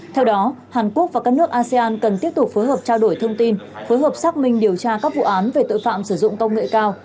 theo đó hàn quốc và các nước asean cần tiếp tục phối hợp trao đổi thông tin phối hợp xác minh điều tra các vụ án về tội phạm sử dụng công nghệ cao